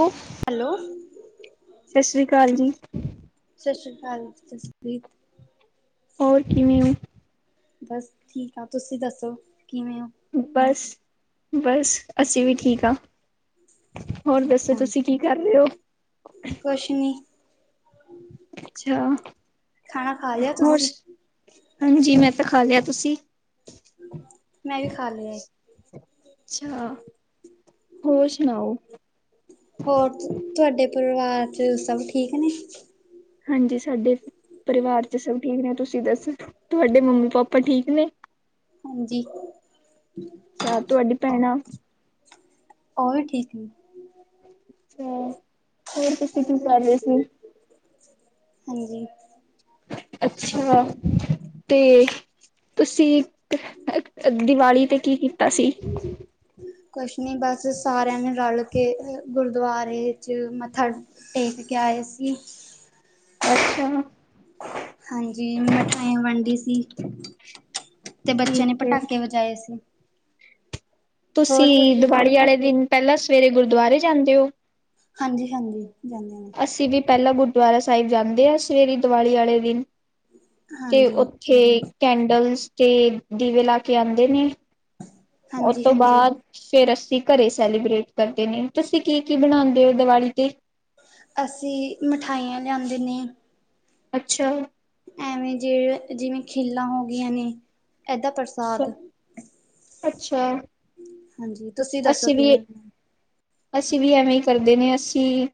Hello hello! Sat Sri ਅਕਾਲ ਜੀ! ਹਾਂਜੀ। ਸਪ੍ਰੀਤ ਹੋਰ, ਕਿਵੇੇਂ ਓ? ਬਸ ਠੀਕ ਆ। ਤੁਸੀਂ ਦੱਸੋ, ਕਿਵੇਂ ਓ? ਬਸ-ਬਸ। ਅਸੀ ਵੀ ਠੀਕ ਹਾਂ। ਹੋਰ ਦੱਸੋ, ਤੁਸੀਂ ਕੀ ਕਰ ਰਹੇ ਹੋ? ਕੁਸ਼ ਨੀ। ਅੱਛਾ। ਖਾਣਾ ਖਾ ਲਿਆ ਹੋਰ, ਤੁਸੀਂ ਹਾਂਜੀ ''ਮੈਂ ਤਾਂ, ਖਾਲਿਆ ਤੁਸੀ? ਮੈਂ, ਵੀ, ਖਾ ਲਿਆ ਏ। ਅੱਛਾ! ਹੋਰ ਸੁਣਾਓ? ਹੋਰ, ਤੁਹਾਡੇ ਪਰਿਵਾਰ'ਚ ਸਭ ਠੀਕ ਨੇ? ਹਾਂਜੀ। ਸਾਡੇ ਪਰਿਵਾਰ'ਚ ਸਭ ਠੀਕ ਨੇ। ਤੁਸੀਂ ਦੱਸੋ ਤੁਹਾਡੇ ਮੰਮੀ-ਪਾਪਾ ਠੀਕ ਨੇ? ਹਾਂਜੀ। ਚਾਰ, ਤੁਹਾਡੀ ਭੈਣਾ ਉਹ ਵੀ, ਠੀਕ ਨੇ। ਅ ਹੋਰ, ਤੁਸੀ ਕੀ ਕਰ ਰਹੇ ਸੀ? ਹਾਂਜੀ। ਅੱਛਾ! ਤੇ, ਤੁਸੀ ਦੀਵਾਲੀ ਤੇ, ਕੀ ਕੀਤਾ ਸੀ? ਕੁਛ ਨੀ, ਬਸ ਸਾਰਿਆਂ ਨੇ ਰੱਲ੍ਹਕੇ ਗੁਰਦੁਆਰੇ 'ਚ ਮੱਥਾ ਟੇਕ ਕੇ ਆਏ ਸੀ। ਅੱਛਾ! ਹਾਂਜੀ ਮਿਠਾਈਆਂ ਵੰਡੀ ਸੀ ਤੇ ਬੱਚਿਆ ਠੀਕ ਨੇ, ਹੈ ਭਟਾਕੇ ਵਜਾਏ ਸੀ। ਤੁਸੀਂ, ਦੀਵਾਲੀ ਵਾਲੇ ਦਿਨ ਪਹਿਲਾਂ ਸਵੇਰੇ ਗੁਰਦੁਆਰੇ ਜਾਂਦੇ ਹੋ। ਹਾਂਜੀ- ਹਾਂਜੀ, ਜਾਂਨੇ ਆ। ਅਸੀਂ ਵੀ ਪਹਿਲਾਂ ਗੁਰਦੁਆਰਾ ਸਾਹਿਬ ਜਾਂਦੇ ਆ, ਸਵੇਰੇ ਦੀਵਾਲੀ ਵਾਲੇ ਦਿਨ, ਤੇ ਹਾਂਜੀ। ਉੱਥੇ ਕੈਂਡਲਸ ਤੇ, ਦੀਵੇ ਲਾਕੇ ਆਦੇ ਨੇ। ਉਹ ਤੋਂ, ਹਾਂਜੀ-ਹਾਂਜੀ ਬਾਅਦ ਫਿਰ ਅਸ ਘਰੇ ਸੈਲੀਬ੍ਰੇਟ ਕਰਦੇ ਨੇ। ਤੁਸੀਂ ਕੀ-ਕੀ ਬਣਾਂਦੇ ਹੋ ਦਿਵਾਲੀ ਤੇ? ਅਸੀਂ ਮਠਾਈਆਂ ਲਿਆਂਦੇ ਨੇ ਅੱਛਾ! ਐਵੇਂ ਜਿ, ਜਿਵੇਂ ਖਿੱਲਾਂ ਹੋ ਗਈਆਂ ਨੇ। ਇਹਦਾ ਅੱਛਾ ਪ੍ਰਸਾਦ। ਅੱਛਾ। ਹਾਂਜੀ। ਤੁਸੀਂ ਦੱਸੋ ਅਸੀਂ ਵੀ ਕਿਵੇਂ? ਅਸੀਂ ਵੀ ਐਵੇਂ ਕਰਦੇ ਨੇ, ਅਸੀਂ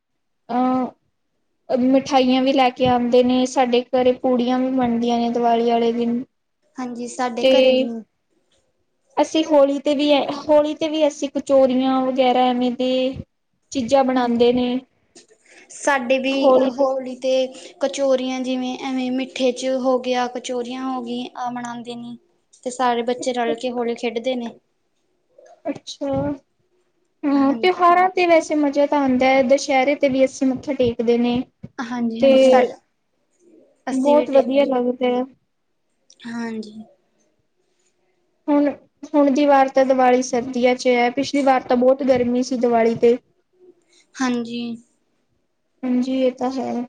ਅ ਮਿਠਾਈਆਂ ਵੀ ਲੈਕੇ ਆਂਦੇ ਨੇ, ਸਾਡੇ ਘਰੇ ਪੂੜੀਆਂ ਵੀ ਬਣਦੀਆਂ ਨੇ, ਦੀਵਾਲੀ ਵਾਲੇ ਦਿਨ। ਹਾਂਜੀ, ਸਾਡੇ ਘਰੇ ਤੇ ਨੀ ਅਸੀਂ ਹੋਲ੍ਹੀ ਤੇ, ਵੀ, ਅ, ਹੋਲ੍ਹੀ ਤੇ, ਵੀ ਅਸੀਂ ਕਚੋਰੀਆਂ ਵਗੈਰਾ ਐਵੇਂ ਦੇ ਚੀਜ਼ਾਂ ਹਾਂਜੀ। ਬਣਾਉਂਦੇ ਨੇ ਸਾਡੇ ਵੀ ਹੋਡੀ ਤੇ ਕਚੋਰੀਆਂ ਜਿਵੇਂ, ਐਵੇਂ ਮਿੱਠੇ'ਚ ਹੋ ਗਿਆ, ਕਚੋਰੀਆਂ ਹੋ ਗਈਂ। ਆ ਮਨਾਦੇ ਨੀ। ਤੇ, ਸਾਰੇ ਬੱਚੇ ਰਲ ਕੇ, ਹੋਲੀ ਖੇਡਦੇ ਨੇ। ਅੱਛਾ, ਆ ਹਾਂਜੀ ਤਿਉਹਾਰਾਂ ਤੇ ਵੈਸੇ ਮਜ਼ੇ ਨੇ। ਆਉਂਦਾ, ਦੁਸਹਿਰੇ ਤੇ ਵੀ ਅਸੀਂ ਮੱਥਾ ਟੇਕਦੇ ਨੇ ਤੇ ਹਾਂਜੀ--ਹਾਂਜੀ ਸਾਆ। ਅੱਸੀ ਵੀ, ਬਹੁਤ ਟੇਕਦੇ ਵਧੀਆ ਲੱਗਦਾ ਹੈ ਹਾਹਾਂ ਜੀ। ਹੁਣ ਹੁਣ ਕੀ ਵਾਰ ਤਾਂ ਦੀਵਾਲੀ ਸਰਦੀਆਂ ਚ ਹੈ ਪਿਛਲੀ ਵਾਰ ਤਾਂ ਬਹੁਤਅ ਗਰਮੀ ਸੀ, ਦੀਵਾਲੀ ਤੇ। ਹਾਂਜੀ। ਹਾਂਜੀ, ਇਹ ਤਾਂ ਹੈ।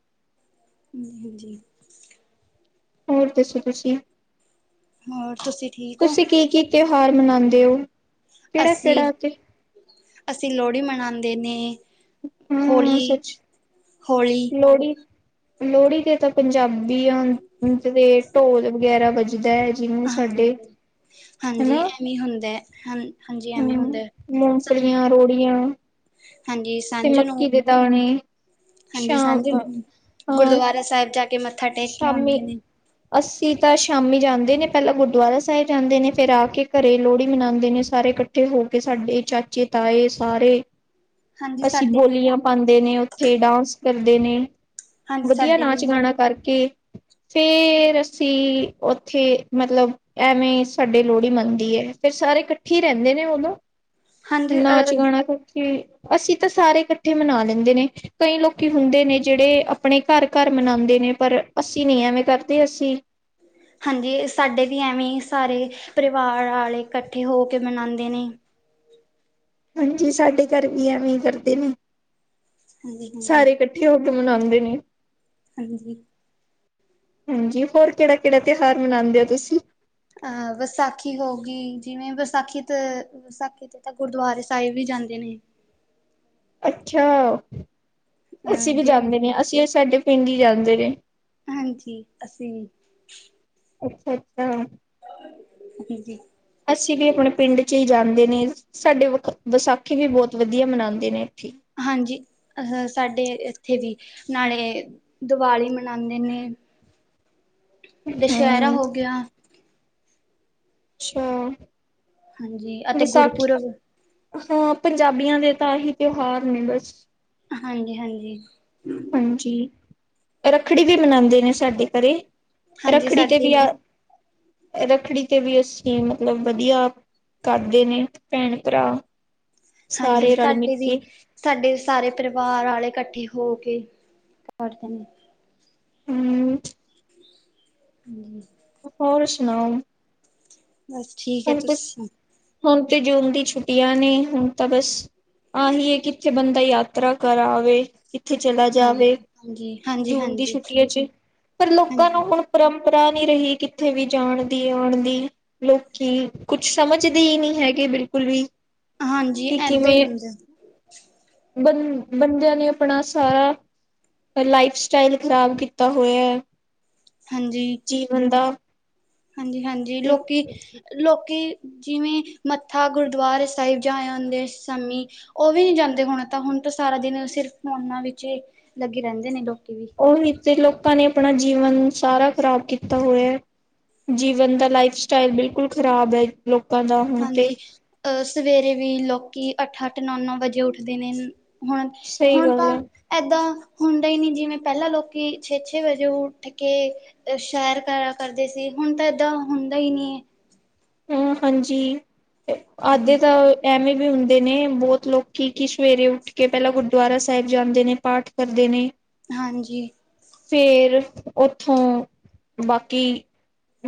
ਹਾਂਜੀ ਹਾਂਜੀ। ਹੋਰ ਦੱਸੋ ਤੁਸੀਂ? ਹੋਰ ਤੁਸੀਂ ਠੀਕ ਹੋ? ਮਨਾਂਦੇ ਓ, ਅਸੀਂ ਕਿਹੜਾ--ਕਿਹੜਾ ਅਸੀਂ ਲੋਹੜੀ ਮਨਾਉਂਦੇ ਨੇ ਹੋਲੀ ਹਾਂ ਸੱਚ ਹੋਲੀ ਲੋਹੜੀ। ਲੋਹੜੀ, ਦੇ ਤੇ ਪੰਜਾਬੀਆ, ਦੇ ਢੋਲ ਵਗੈਰਾ ਵਜਦੇ ਜਦਾ [inaudible] ਹੈ ਜਿਹਨੂੰ ਸਾਡੇ ਹਾਂਜੀ ਹਾਂਜੀ ਹਨਾ ਐਵੇਂ ਹੁੰਦਾ ਹਾਂ [unintelligible] ਹਾਂਜੀ ਹੁ ਐਵੇਂ ਹੁੰਦਾ ਸਾਂਝ ਮੂੰਗਫਲੀਆਂ, ਰੇਵੜੀਆਂ ਹਾਂਜੀ ਤੇ ਸਾਂਝ ਨੂੰ ਮੱਕੀ, ਦੇ ਦਾਣੇ ਹਾਂਜੀ, ਸ਼ਾਮ ਸ਼ਾਮੀ ਹਾਂ ਗੁਰਦੁਆਾਰਾ ਸਾਹਿਬ, ਜਾ ਕੇ ਮੱਥਾ ਟੇਕ, ਕੇ ਆਉਦੇ ਨੇ। ਅਸੀਂ ਤਾਂ, ਸ਼ਾਮੀ ਜਾਂਦੇ ਨੇ ਪਹਿਲਾਂ ਗੁਰਦੁਆਰਾ ਸਾਹਿਬ, ਜਾਂਦੇ ਨੇ ਫਿਰ, ਆ ਕੇ ਘਰੇ ਲੋਹੜੀ ਮਨਾਉਂਦੇ ਨੇ ਸਾਰੇ। ਇਕੱਠੇ ਹੋ ਕੇ, ਸਾਡੇ ਚਾਚੇ ਤਾਏ ਸਾਰੇ ਹਾਂਜੀ ਅਸੀਂ, ਸਾਡੇ ਵੀ ਬੋਲੀਆਂ ਪਾਉਂਦੇ ਨੇ, ਉੱਥੇ ਡਾਂਸ ਕਰਦੇ ਨੇ ਹਾਂਜੀ ਵਧੀਆ, ਸਾਡੇ ਨਾਚ ਵੀ ਗਾਣਾ ਕਰਕੇ ਫੇਰ ਅਸੀਂ ਉੱਥੇ ਮਤਲਬ ਐਵੇਂ ਸਾਡੇ ਲੋਹੜੀ, ਮੰਨਦੀ ਹੈ ਫਿਰ ਸਾਰੇ ਇਕੱਠੀ ਰਹਿੰਦੇ ਨੇ ਉਨੂੰ, ਹਾਂਜੀ ਨਾਚ ਅ ਗਾਣਾ ਇਕੱਠੇ ਅਸੀਂ ਤਾਂ ਸਾਰੇ ਇਕੱਠੇ ਮਨਾ ਲੈਂਦੇ ਨੇ, ਕਈ ਲੋਕੀ ਹੁੰਦੇ ਨੇ, ਜਿਹੜੇ ਆਪਣੇ ਘਰ ਘਰ ਮਨਾਉਂਦੇ ਨੇ। ਪਰ ਅਸੀਂ ਨਈ, ਐਵੇਂ ਕਰਦੇ ਅੱਸੀਂ ਹਾਂਜੀ, ਸਾਡੇ ਵੀ ਐਵੇਂ ਸਾਰੇ ਪਰਿਵਾਰ ਆਲੇ, ਇਕੱਠੇ ਹੋ ਕੇ ਮਨਾਉਂਦੇ ਨੇਏ। ਹਾਂਜੀ, ਸਾਡੇ ਘਰ ਵੀ ਐਵੇਂ ਹੀ ਕਰਦੇ ਨੇ। ਹਾਂਜੀ ਹਾਂਜੀ। ਸਾਰੇ [inaudible] ਇਕੱਠੇ ਹੋ ਮਨਾਉਂਦੇ ਨੇ? ਹਾਂਜੀ। ਹਾਂਜੀ, ਹੋਰ ਕਿਹੜਾ ਕਿਹੜਾ ਤਿਉਹਾਰ, ਮਨਾਉਂਦੇ ਹੋ ਤੁਸੀਂ? ਅਹ ਵਿਸਾਖੀ ਹੋ ਗਈ, ਜਿਵੇਂ ਵਿਸਾਖੀ ਤੇ ਤਾਂ ਗੁਰਦੁਆਰੇ ਸਾਹਿਬ, ਵੀ ਜਾਂਦੇ ਨੇ? [inaudible] ਅੱਛਾ ਅ ਅਸੀਂ ਵੀ ਜਿਵੇਂ ਜਾਂਦੇ ਨੇ ਅਸੀਂ ਸਾਡੇ ਪਿੰਡ ਹੀ ਜਾਂਦੇ ਨੇ। ਹਾਂਜੀ, ਅਸੀਂ ਵੀ ਅੱਛਾ-ਅੱਛਾ। ਜੀ ਜੀ। ਅਸੀਂ ਵੀ, ਆਪਣੇ ਪਿੰਡ ਚ ਹੀ ਜਾਂਦੇ ਨੇ, ਸਾਡੇ ਵਿਸਾਖੀ, ਵੀ ਬਹੁਤ ਵਧੀਆ ਮਨਾਉਂਦੇ ਨੇ। ਹਾਂਜੀ, ਅਹ ਸਾਡੇ ਇੱਥੇ ਵੀ, ਨਾਲੇ ਦੀਵਾਲੀ ਮਨਾਉਂਦੇ ਨੇ [unintelligible] ਦੱਸਹਿਰਾ ਹਮ ਹੋ ਗਿਆ ਅੱਛਾ? ਹਾਂਜੀ, ਅਤੇ ਵਿਸਾਖੀ ਗੁਰਪੁਰਬ। ਹਾਂ, ਪੰਜਾਬੀਆਂ ਦੇ ਤਾਂ, ਆਹੀ ਤਿਉਹਾਰ ਨੇ ਬਸ। ਹਾਂਜੀ--ਹਾਂਜੀ। ਹਾਂਜੀ, ਰੱਖੜੀ ਵੀ ਮਨਾਉਂਦੇ ਨੇ, ਸਾਡੇ ਘਰੇ। ਹਾਂਜੀ ਰੱਖੜੀ ਤੇ ਸਾਡੇ ਵੀ ਆ ਰੱਖੜੀ ਤੇ ਵੀ ਅਸੀਂ ਮਤਲਬ ਵਧੀਆ। ਕਰਦੇ ਨੇ ਭੈਣ ਭਰਾ, ਹਾਂਜੀ, ਸਾਰੇ ਰਲ ਸਾਡੇ ਮਿਲ ਵੀ ਕੇ ਸਾਡੇ ਸਾਰੇ ਪਰਿਵਾਰ ਆਲੇ ਇਕੱਠੇ। ਹੋ ਕੇ ਕਰਦੇ ਨੇ, ਹੁੰ, ਹਾਂਜੀ ਹੋਰ ਸੁਣਾਓ? ਬਸ ਠੀਕ ਹੈ, ਹੁਣ ਤੁਸੀਂ ਤੁਸ ਸੁਣਾਓ? ਹੁਣ ਤੇ ਜੁਨ ਦੀ ਛੁੱਟੀਆਂ ਨੇ ਹੁਣ ਤਾਂ ਬਸ, ਆਹੀ ਕਿੱਥੇ ਬੰਦਾ ਯਾਤਰਾ ਕਰਾਵੇ। ਉੱਥੇ ਚਲਾ ਜਾਵੇ, ਹਾਂਜੀ ਹਾਂਜੀ ਹਾਂਜੀ ਜੂਨ ਦੀ ਹਾਂਜੀ ਛੁੱਟੀਆਂ ਚ ਪਰ ਲੋਕਾਂ ਨੂੰ ਹਾਂਜੀ ਹੁਣ ਘਰਾ ਨਹੀਂ ਰਹੀ ਕਿੱਥੇ ਵੀ ਜਾਣ ਦੀ ਆਣ ਦੀ ਲੋਕ, ਕਿ ਕੁਛ ਸਮਝਦੇ ਹੀ ਨਹੀਂ ਹੈਗੇ, ਬਿਲਕੁਲ ਵੀ ਹਾਂਜੀ ਕਿ ਏਦਾਂ ਹੀ ਕਿਵੇਂ ਹੁੰਦਾ। ਬੰ ਬੰਦਿਆਂ ਨੇ ਆਪਣਾ ਸਾਰਾ, ਲਾਈਫ ਸਟਾਈਲ ਖ਼ਰਾਬ ਕੀਤਾ ਹੋਇਆ ਹੈ, ਹਾਂਜੀ ਜੀਵਨ ਦਾ ਹਾਂਜੀ-ਹਾਂਜੀ, ਲੋਕੀ-ਲੋਕੀ ਜਿਵੇਂ ਮੱਥਾ ਗੁਰਦੁਆਰੇ ਸਾਹਿਬ ਜਾਂ ਆਦੇ ਸੀ, ਸ਼ਾਮੀ ਉਹ ਵੀ ਨੀ ਜਾਂਦੇ ਹੋਣ ਤਾਂ ਹੁਣ। ਸਾਰਾ ਦਿਨ ਸਿਰਫ ਫੋਨਾਂ ਵਿੱਚ ਲੱਗੇ ਰਹਿੰਦੇ ਨੇ ਲੋਕ, ਉਹੀ ਤੇ ਲੋਕਾਂ ਨੇ ਆਪਣਾ ਜੀਵਨ ਸਾਰਾ ਖ਼ਰਾਬ ਕੀਤਾ ਹੋਇਆ। ਜੀਵਨ ਦਾ ਲਾਈਫ ਸਟਾਈਲ ਬਿਲਕੁਲ ਖ਼ਰਾਬ ਹੈ ਲੋਕਾਂ ਦਾ ਹੁਣ ਤੇ ਹਾਂਜੀ ਅਹ ਸਵੇਰੇ ਵੀ ਲੋਕੀ ਅੱਠ-ਅੱਠ ਨੌ-ਨੌ ਵਜੇ ਉੱਠਦੇ ਨੇ, ਸਹੀ ਹੁਣ-ਹੁਣ ਗੱਲ ਤਾਂ ਹੈ ਏਦਾਂ, ਹੁੰਦਾ ਹੀ ਨਹੀਂ ਜਿਵੇਂ, ਪਹਿਲਾਂ ਲੋਕੀ ਛੇ-ਛੇ ਵਜੇ ਉੱਠ ਕੇ ਸ਼ੈਰ ਕਰਾ ਕਰਦੇ ਸੀ। ਹੁਣ ਤਾਂ ਏਦਾਂ ਹੁੰਦਾ ਹੀ ਨਹੀਂ, ਹੁੰ, ਹਾਂਜੀ ਤੇ ਆੱਧੇ ਹਾਂਜੀ ਤਾਂ ਐਵੇਂ ਵੀ ਹੁੰਦੇ ਨੇ ਬਹੁਤ ਲੋਕ ਕਿ ਸਵੇਰੇ ਉੱਠ ਕੇ ਪਹਿਲਾਂ ਗੁਰਦੁਆਰਾ ਸਾਹਿਬ ਜਾਂਦੇ ਨੇ ਪਾਠ ਕਰਦੇ ਨੇ, ਹਾਂਜੀ, ਫੇਰ ਉੱਥੋਂ ਬਾਕੀ,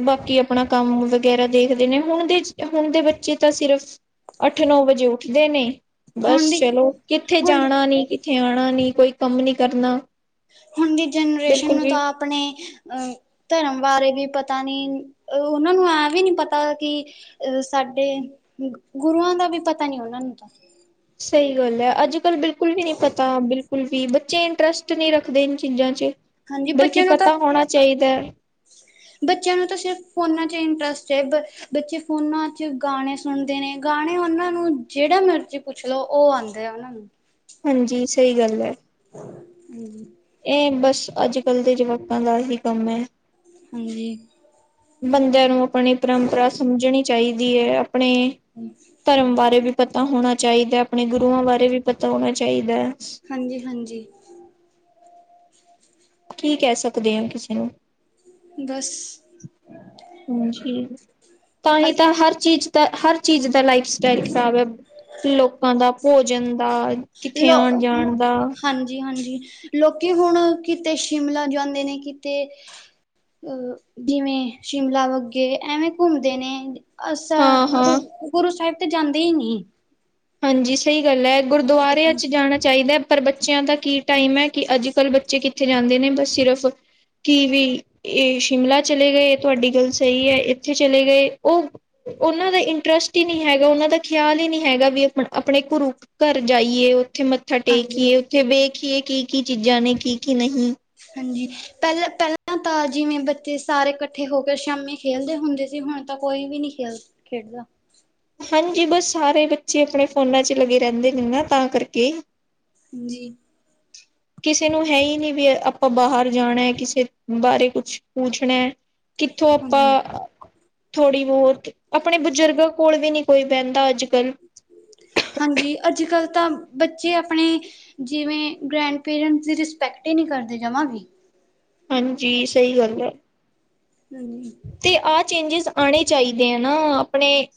ਬਾਕੀ ਆਪਣਾ ਕੰਮ ਵਗੈਰਾ ਦੇਖਦੇ, ਨੇ ਹੁਣ ਦੇ ਹੁਣ ਦੇ ਬੱਚੇ ਤਾਂ ਸਿਰਫ ਅੱਠ ਨੌ ਵਜੇ ਉੱਠਦੇ ਨੇ ਹੁਣ ਬਸ ਦੀ ਚਲੋ ਕਿੱਥੇ ਹੁਣ ਜਾਣਾ ਨੀ ਕਿੱਥੇ ਆਣਾਵ ਨੀ ਕੋਈ ਕੰਮ ਨੀ ਕਰਨਾ, ਹੁਣ ਦੀ ਜਨਰੇਸ਼ਨ ਬਿਲਕੁਲ ਨੂੰ ਵੀ ਤਾਂ ਆਪਣੇ ਅ ਧਰਮ ਬਾਰੇ ਵੀ ਪਤਾ ਨੀ, ਉਹਨਾਂ ਨੂੰ ਐ ਵੀ ਨੀ ਪਤਾ ਕਿ ਸਾਡੇ, ਗੁਰੂਆਂ ਦਾ ਵੀ ਪਤਾ ਨੀ ਉਹਨਾਂ ਨੂੰ ਤਾਂ, ਸਹੀ ਗੱਲ ਹੈ, ਅੱਜ-ਕੱਲ ਬਿਲਕੁਲ ਵੀ ਨੀ ਪਤਾ ਬਿਲ ਕੁੁਲ ਵੀ ਬੱਚੇ ਇੰਟਰਸਟ ਨਹੀਂ ਰੱਖਦੇ ਇਨ ਚੀਜ਼ਾਂ ਚ, ਹਾਂਜੀ, ਬਲਕਿ ਬੱਚਿਆਂ ਨੂੰ ਤਾਂ ਪਤਾ ਹੋਣਾ ਚਾਹੀਦਾ ਹੈ। ਬੱਚਿਆਂ ਨੂੰ ਤਾਂ ਸਿਰਫ ਫੋਨਾਂ ਚ ਇੰਟਰਸਟ ਚ ਬੱਚੇ ਫੋਨਾਂ ਚ ਗਾਣੇ ਸੁਣਦੇ ਨੇ ਗਾਣੇ, ਉਹਨਾਂ ਨੂੰ ਜਿਹੜਾ ਮਰਜ਼ੀ ਪੁੱਛ ਲਓ। ਉਹ ਆਉਂਦੇ ਆ ਉਹਨਾਂ ਨੂੰ, ਹਾਂਜੀ ਸਹੀ ਗੱਲ ਹੈ, [inaudible] ਬਸ ਅੱਜ-ਕੱਲ੍ਹ ਦੇ ਜਵਾਕਾਂ ਦਾ ਹੀ ਕੰਮ ਹੈ। ਹਾਂਜੀ, ਬੰਦਿਆਂ ਨੂੰ ਆਪਣੀ ਪਰੰਪਰਾ ਸਮਝਣੀ ਚਾਹੀਦੀ ਹੈ, ਆਪਣੇ ਧਰਮ ਬਾਰੇ ਵੀ, ਪਤਾ ਹੋਣਾ ਚਾਹੀਦਾ, ਆਪਣੇ ਗੁਰੂਆਂ ਬਾਰੇ ਵੀ ਪਤਾ ਹੋਣਾ ਚਾਹੀਦਾ ਹੈ। ਹਾਂਜੀ-ਹਾਂਜੀ, ਕੀ ਕਹਿ ਸਕਦੇ ਹੋ ਕਿਸੇ ਨੂੰ, ਬਸ ਹਾਜੀ ਤਾਂ ਹੀ ਤਾਂ ਹਰ ਚੀਜ਼, ਤਾਂ ਹਰ ਚੀਜ਼ ਦਾ ਲਾਈਫ ਸਟਾਈਲ ਖਰਾਬ ਹੈ ਲੋਕਾਂ ਦਾ ਭੋਜਨ ਦਾ ਕਿੱਥੇ ਆਉਣ ਲੋ ਜਾਣ ਦਾ ਹਾਂਜੀ ਹਾਂਜੀ ਲੋਕੀ ਹੁਣ ਕਿਤੇ ਸ਼ਿਮਲਾ ਜਾਂਦੇ ਨੇ ਕਿਤੇ ਅਹ ਜਿਵੇਂ ਸ਼ਿਮਲਾ ਵੱਗੇ ਐਵੇਂ ਘੁੰਮਦੇ ਨੇ ਅੱਛਾ ਹਾਂ-ਹਾਂ, ਗੁਰੂ ਸਾਹਿਬ ਤੇ ਜਾਂਦੇ ਹੀ ਨੀ। ਹਾਂਜੀ ਸਹੀ ਗੱਲ ਹੈ ਗੁਰਦੁਆਰਿਆਂ 'ਚ ਜਾਣਾ ਚਾਹੀਦਾ। ਪਰ ਬੱਚਿਆਂ ਦਾ ਕੀ ਟਾਈਮ ਹੈ ਕਿ ਅੱਜ ਕੱਲ੍ਹ ਬੱਚੇ ਕਿੱਥੇ ਜਾਂਦੇ ਨੇ ਬਸ ਸਿਰਫ ਕਿ ਵੀ ਇਹ ਸ਼ਿਮਲਾ ਚਲੇ ਗਏ ਤੁਹਾਡੀ ਗੱਲ ਸਹੀ ਹੈ ਇੱਥੇ ਚਲੇ ਗਏ ਉਹ ਉਹਨਾਂ ਦਾ ਇੰਟਰਸਟ ਹੀ ਨਹੀਂ ਹੈਗਾ ਉਹਨਾਂ ਦਾ ਖਿਆਲ ਹੀ ਨਹੀਂ ਹੈਗਾ ਵੀ ਆਪਣੇ ਗੁਰੂ ਘਰ ਜਾਈਏ ਉੱਥੇ ਮੱਥਾ ਹਾਂਜੀ ਟੇਕਏ ਉੱਥੇ ਵੇਖ ਦੇਖੀਏ ਕੀ- ਕੀ ਚੀਜ਼ਾਂ ਨੇ ਕੀ -ਕੀ ਨਹੀਂ। ਹਾਂਜੀ ਪਹਿਲ ਪਹਿਲਾਂ ਤਾਂ ਜਿਵੇਂ ਬੱਚੇ ਸਾਰੇ ਇਕੱਠੇ ਹੋ ਕੇ ਸ਼ਾਮੀ ਖੇਲਦੇ ਹੁੰਦੇ ਸੀ। ਹੁਣ ਤਾਂ ਕੋਈ ਵੀ ਨੀ ਖੇਲ ਖੇਡਦਾ। ਹਾਂਜੀ ਬਸ ਸਾਰੇ ਬੱਚੇ ਆਪਣੇ ਫੋਨਾਂ 'ਚ ਲੱਗੇ ਰਹਿੰਦੇ ਨੇ ਨਾ ਤਾਂ ਕਰਕੇ ਹਾਂਜੀ ਕਿਸੇ ਨੂੰ ਹੈ ਹੀ ਨਹੀਂ ਵੀ ਆਪਾਂ ਬਾਹਰ ਜਾਣਾ ਹੈ ਕਿਸੇ ਬਾਰੇ ਕੁਛ ਪੁੱਛਣਾ। ਕਿੱਥੋਂ ਹਾਂਜੀ ਆਪਾਂ ਥੋੜ੍ਹੀ ਬਹੁਤ ਆਪਣੇ ਬਜ਼ੁਰਗਾਂ ਕੋਲ ਵੀ ਨੀ ਕੋਈ ਬਹਿੰਦਾ ਅੱਜ ਕੱਲ੍ਹ ਹਾਂਜੀ ਅੱਜ ਕੱਲ ਤਾਂ ਬੱਚੇ ਆਪਣੇ ਜਿਵੇਂ ਗ੍ਰੈਂਡ ਪੇਰੈਂਟਸ ਦੀ ਰਿਸਪੈਕਟ ਹੀ ਨਹੀਂ ਕਰਦੇ ਜਾਵਾਂ ਵੀ ਹਾਂਜੀ ਸਹੀ ਗੱਲ ਹੈ। ਤੇ [unintelligible] ਆਹ ਚੇਂਜਿਸ ਆਉਣੇ ਚਾਹੀਦੇ ਆ ਨਾ ਆਪਣੇ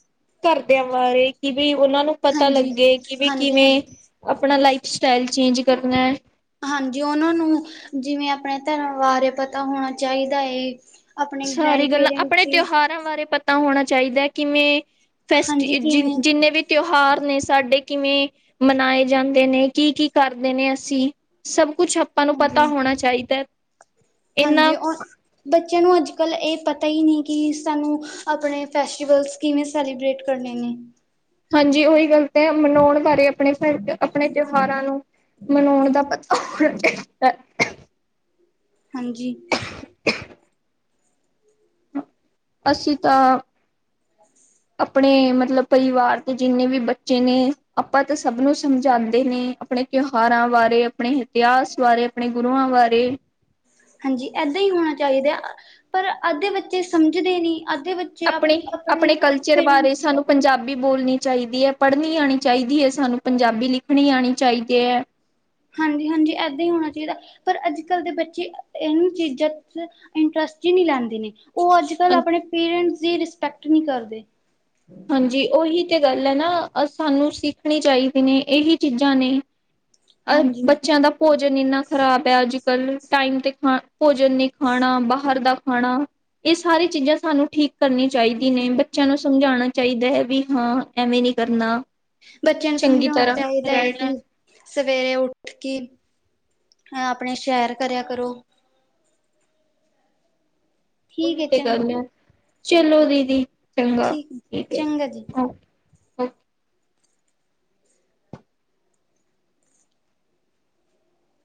ਘਰਦਿਆਂ ਬਾਰੇ ਕਿ ਵੀ ਉਹਨਾਂ ਨੂੰ ਪਤਾ ਹਾਂਜੀ ਲੱਗੇ ਕਿ ਵੀ ਹਾਂਜੀ ਕਿਵੇਂ, ਹਾਂਜੀ ਆਪਣਾ ਲਾਈਫ ਸਟਾਈਲ ਚੇਂਜ ਕਰਨਾ ਹੈ। ਨ ਬਾਰੇ ਪਤਾ ਹੋਣਾ ਚਾਹੀਦਾ ਏ। ਆਪਣੇ ਸਾਰੀ ਗ੍ਰੈਂਡ ਗੱਲਾਂ ਪੇਰੈਂਟਸ ਆਪਣੇ ਦੀ ਤਿਉਹਾਰਾਂ ਬਾਰੇ ਪਤਾ ਹੋਣਾ। ਚਾਹੀਦਾ ਕਿਵੇਂ ਫੈਸ ਹਾਂਜੀ ਕਿਵੇਂ ਜਿੰਨੇ ਵੀ ਤਿਉਹਾਰ ਨੇ। ਸਾਡੇ ਕਿਵੇਂ ਮਨਾਏ ਜਾਂਦੇ ਨੇ ਕੀ -ਕੀ ਕਰਦੇ ਨੇ ਅਸੀਂ ਸਭ ਕੁਛ ਆਪਾਂ ਨੂੰ ਪਤਾ ਹਾਂਜੀ ਹੋਣਾ ਚਾਹੀਦਾ। ਇਹਨਾਂ ਹਾਂਜੀ ਉਹ ਬੱਚ ਬੱਚਿਆਂ ਨੂੰ ਅੱਜ ਕੱਲ੍ਹ ਇਹ ਪਤਾ ਹੀ ਨਹੀਂ ਕਿ ਸਾਨੂੰ ਆਪਣੇ ਫੈਸਟੀਵਲਸ ਕਿਵੇਂ ਸੈਲੀਬ੍ਰੇਟ ਕਰਨੇ ਨੇ। ਹਾਂਜੀ ਉਹੀ ਗੱਲਤ ਹੈ ਮਨਾਉਣ ਬਾਰੇ ਆਪਣੇ ਫ ਆਪਣੇ ਤਿਉਹਾਰਾਂ ਨੂੰ ਮਨਾਉਣ ਦਾ ਪਤਾ [inaudible] ਹਾਂਜੀ ਅਸੀਂ ਤਾਂ ਆਪਣੇ ਮਤਲਬ ਪਰਿਵਾਰ ਦੇ ਜਿੰਨੇ ਵੀ ਬੱਚੇ ਨੇ ਆਪਾਂ ਤਾਂ ਸਭ ਨੂੰ ਸਮਝਾਉਂਦੇ ਨੇ। ਆਪਣੇ ਤਿਉਹਾਰਾਂ ਬਾਰੇ ਆਪਣੇ ਇਤਿਹਾਸ ਬਾਰੇ ਆਪਣੇ ਗੁਰੂਆਂ ਬਾਰੇ ਹਾਂਜੀ ਏਦਾਂ ਹੀ ਹੋਣਾ ਚਾਹੀਦਾ ਪਰ ਅੱਧੇ ਬੱਚੇ ਸਮਝਦੇ ਨਹੀਂ। ਅੱਧੇ ਬੱਚੇ ਆਪਣੇ -ਆਪਣੇ ਕਲਚਰ ਬਾਰੇ ਪੇਰੈਂਟਸ ਸਾਨੂੰ ਪੰਜਾਬੀ ਬੋਲਨੀ ਚਾਈਦੀ ਏ ਪੜ੍ਹਨੀ ਆਨੀ ਚਾਈਦੀ ਏ ਸਾਨੂੰ ਪੰਜਾਬੀ ਲਿਖ ਹਾਂਜੀ ਹਾਂਜੀ ਏਦਾਂ ਈ ਹੋਣਾ ਚਾਈਦਾ। ਪਰ ਅੱਜ-ਕਲ ਦੇ ਬੱਚੇ ਇਨ ਚੀਜ਼ਾਂ 'ਚ ਇੰਟਰਸਟ ਈ ਨੀ ਲੈਂਦੇ ਨੇ। ਔ ਅੱਜ-ਕਲ ਆਪਣੇ ਪੇਰੈਂਟਸ ਦੀ ਰਿਸਪੈਕਟ ਨੀ ਕਰਦੇ। ਹਾਂਜੀ ਉਹੀ ਤੇ ਗਲ ਏ ਨਾ ਸਾਨੂੰ ਸਿੱਖਣੀ ਚਾਹੀਦੀ ਨੇ ਏਹੀ ਚੀਜ਼ਾਂ ਨੇ। ਅ ਹਾਂਜੀ ਬੱਚਿਆਂ ਦਾ ਭੋਜ ਭੋਜਨ ਇੰਨਾ ਖ਼ਰਾਬ ਹੈ ਅੱਜ ਕੱਲ ਟਾਈਮ ਤੇ ਖਾ ਭੋਜਨ ਨੀ ਖਾਣਾ ਬਾਹਰ ਦਾ ਖਾਣਾ। ਏ ਸਾਰੀ ਚੀਜ਼ਾਂ ਸਾਨੂੰ ਠੀ ਕਰਨੀ ਚਾਹੀਦੀ ਨੇ, ਬੱਚਿਆਂ ਨੂੰ ਸਮਝਾਣਾ ਚਾਹੀਦਾ ਏ ਵੀ ਹਾਂ ਐਵੇਂ ਨੀ ਕਰਨਾ। ਬੱਚਿਆਂ ਨੂੰ ਚੰਗੀ ਸਮਝਾਉਣਾ ਤਰ੍ਹਾਂ ਚਾਹੀਦਾ ਹੈ ਰਹਿਣਾ ਕੀ ਸਵੇਰੇ ਉੱਠ ਕੇ ਅ-ਅਪਣੇ ਸ਼ੈਰ ਕਰਿਆ ਕਰੋ। ਠੀਕ ਉਹੀ ਹੈ ਤੇ ਚੰਗਾ ਗਲ ਏ, ਚਲੋ ਦੀਦੀ ਚੰਗਾ ਹੈ ਠੀਕ ਏ। ਚੰਗਾ ਜੀ। ਉਹ-ਉ